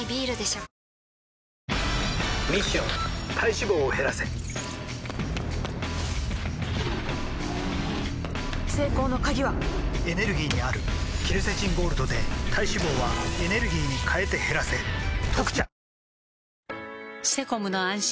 ミッション体脂肪を減らせ成功の鍵はエネルギーにあるケルセチンゴールドで体脂肪はエネルギーに変えて減らせ「特茶」